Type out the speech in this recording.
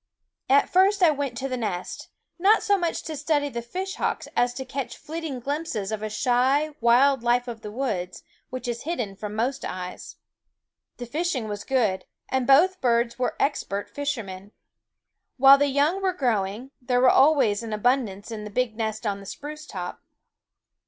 At first I went to the nest, not so much to study the fishhawks as to catch fleeting glimpses of a shy, wild life of the woods, which is hidden from most eyes. The fishing was good, and both birds were expert fishermen. While the young were growing, there was always an abundance in the big nest on the spruce top.